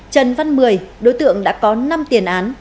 trần văn mười đối tượng đã có năm tiền án